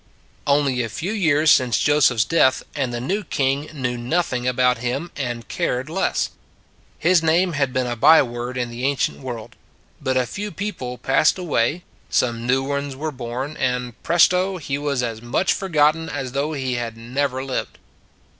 Only a few years since Joseph s death and the new King knew nothing about him and cared less. His name had been a by word in the ancient world : but a few peo ple passed away, some new ones were born, and presto, he was as much forgotten as though he had never lived.